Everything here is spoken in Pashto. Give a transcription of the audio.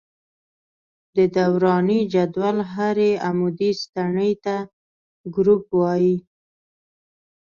د دوراني جدول هرې عمودي ستنې ته ګروپ وايي.